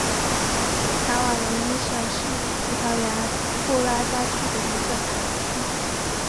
卡瓦隆伊什是葡萄牙布拉加区的一个堂区。